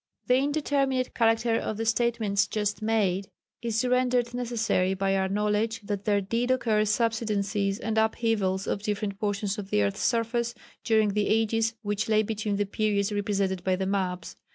The indeterminate character of the statements just made is rendered necessary by our knowledge that there did occur subsidences and upheavals of different portions of the earth's surface during the ages which lay between the periods represented by the maps.